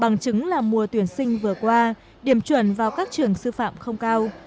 nhưng liệu học sinh giỏi có chọn học sư phạm không